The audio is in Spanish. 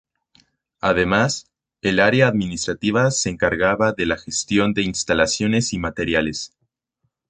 Además, el Área Administrativa se encarga de la gestión de instalaciones y materiales.